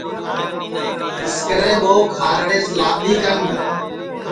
اِسکرے ٻو کھارڑیس لادؔی کن